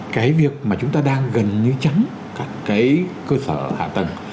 cái việc mà chúng ta đang gần như chắn các cái cơ sở hạ tầng